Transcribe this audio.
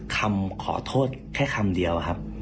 คำขอโทษแค่คำเดียวครับ